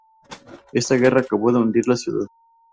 Esta guerra acabó de hundir la ciudad.